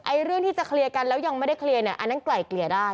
เรื่องที่จะเคลียร์กันแล้วยังไม่ได้เคลียร์เนี่ยอันนั้นไกล่เกลี่ยได้